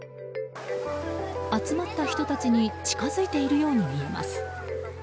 集まった人たちに近づいているように見えます。